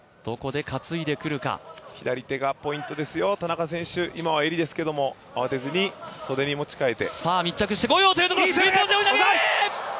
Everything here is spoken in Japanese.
左手がポイントですよ、田中選手、今は襟ですけど、慌てずに袖に持ち替えて。